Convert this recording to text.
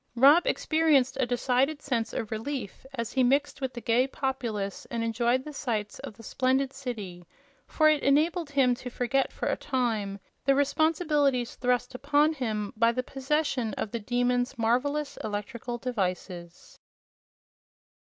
Rob experienced a decided sense of relief as he mixed with the gay populace and enjoyed the sights of the splendid city, for it enabled him to forget, for a time, the responsibilities thrust upon him by the possession of the Demon's marvelous electrical devices.